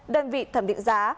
đơn vị thẩm định giá